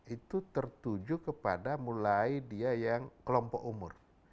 itu tertuju kepada mulai dia yang kelompok umur